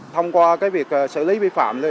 thông qua cái việc xử lý vi phạm